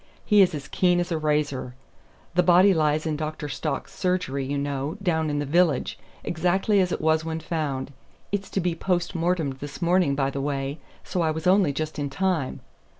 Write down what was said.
He is as keen as a razor. The body lies in Dr. Stock's surgery, you know, down in the village, exactly as it was when found. It's to be post mortem'd this morning, by the way, so I was only just in time.